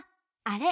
「あれ」？